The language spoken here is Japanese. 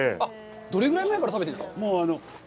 どれぐらい前から食べてるんですか？